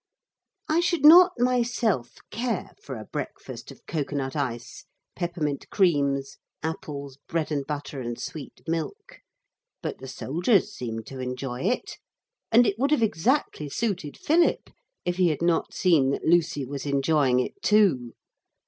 I should not, myself, care for a breakfast of cocoa nut ice, peppermint creams, apples, bread and butter and sweet milk. But the soldiers seemed to enjoy it. And it would have exactly suited Philip if he had not seen that Lucy was enjoying it too.